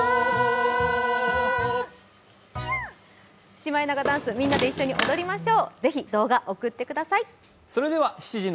シマエナガダンス、ぜひみんなで踊りましょう。